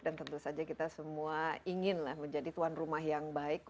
dan tentu saja kita semua ingin menjadi tuan rumah yang baik